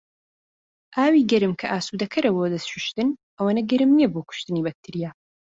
ئاوی گەرم کە ئاسودەکەرە بۆ دەست شوشتن ئەوەنە گەورم نیە بۆ کوشتنی بەکتریا.